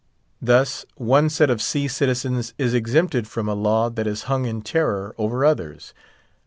Thus, one set of sea citizens is exempted from a law that is hung in terror over others.